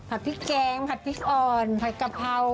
พริกแกงผัดพริกอ่อนผัดกะเพรา